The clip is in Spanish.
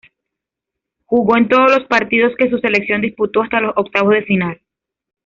Jugó en todos los partidos que su selección disputó hasta los octavos de final.